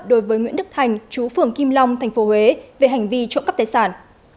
đối với nguyễn đức thành chú phường kim long tp huế về hành vi trộm cắp tài sản